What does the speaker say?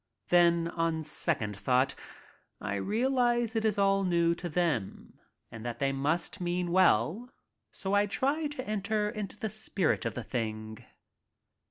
Then on second thought I realize it is all new to them and that they mean well, so I try to enter into the spirit of the thing.